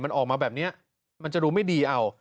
มันออกมาแบบนี้มันจะดูไม่ดีเอา